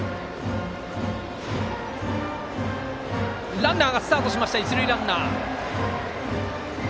ランナーがスタート一塁ランナー。